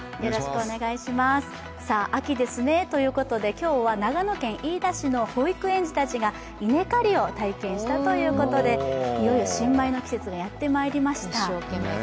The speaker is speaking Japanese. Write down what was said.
秋ですねということで、今日は長野県の保育園児たちが稲刈りを体験したということで、いよいよ新米の季節がやってまいりました。